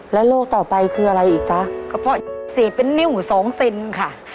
โรคต่อไปคืออะไรอีกจ๊ะกระเพาะสีเป็นนิ้วสองเซนค่ะ